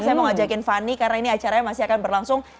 saya mau ngajakin fani karena ini acaranya masih akan berlangsung